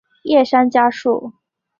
叶山嘉树。